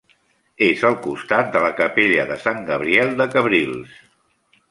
És al costat de la capella de Sant Gabriel de Cabrils.